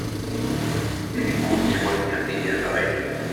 Nekk ur ttwaliɣ tiliẓri.